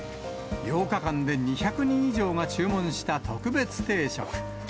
８日間で２００人以上が注文した特別定食。